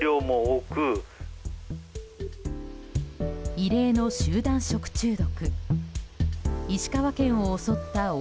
異例の集団食中毒。